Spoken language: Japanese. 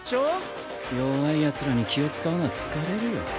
弱いヤツらに気を使うのは疲れるよ。